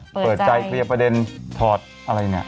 เปิดใจเคลียร์ประเด็นถอดอะไรเนี่ย